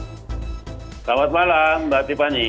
selamat malam mbak tipani